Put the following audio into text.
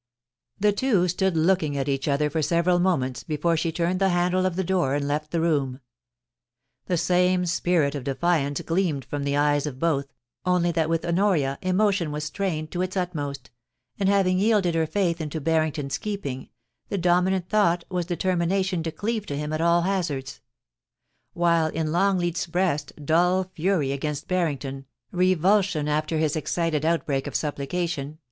The two stood looking at each other for several moments before she turned the handle of the door and left the room. The same spirit of defiance gleamed from the eyes of both, only that with Honoria emotion was strained to its utmost, and having yielded her faith into Barrington's keeping, the dominant thought was determination to cleave to him at all hazards; while in Longleat's breast dull fury against Bar rington, revulsion after his excited outbreak of supplication, BARRINGTON A REJECTED SUITOR.